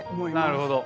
なるほど。